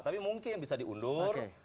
tapi mungkin bisa diundur